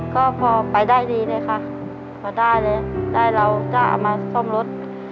ก็พอไปได้ดีเลยค่ะพอได้เลยได้เราจะเอามาซ่อมรถ